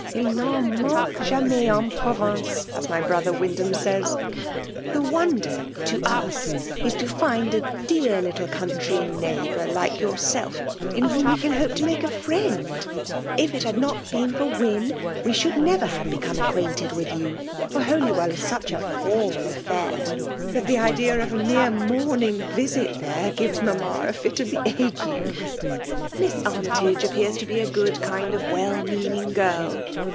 II iCtn mdngue jwnum en province, as my brother Wyndham says. The wonder^ to u$, is to find a dear little country neighbour, like yourself, in whom wc can hope to mdke a friend* If it had not been for Wyn, we should never have become acquainted with you ; for Holywell is such a formal afiair, that the idea of a mere morning visit there gives mamma a fit of the ague. •Miss: Armytage appears to be a good kind of weU ineaning girl ; but